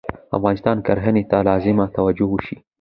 افغانستان کرهنې ته لازمه توجه وشي